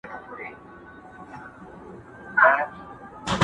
چي راویښ سوم سر مي پروت ستا پر زنګون دی،